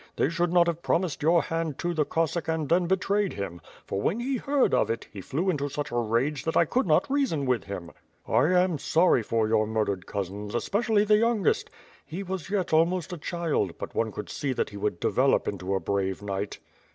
They should not have promised your hand to the CoSvSack and then betrayed him; for when he heard of it, he flew into such a rage that I could not reason with him. 1 am sorry for your murdered cousins, especially the youngest; he was yet almost a child, but one could see tJiat he would develop into a 'brave knight."